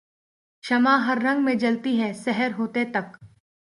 شمع ہر رنگ میں جلتی ہے سحر ہوتے تک